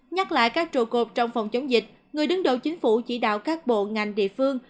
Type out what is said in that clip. nhắc lại các trụ cột trong phòng chống dịch người đứng đầu chính phủ chỉ đạo các bộ ngành địa phương